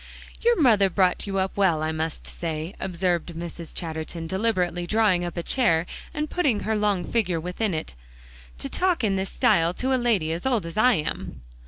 "Your mother brought you up well, I must say," observed Mrs. Chatterton, deliberately drawing up a chair and putting her long figure within it, "to talk in this style to a lady as old as I am."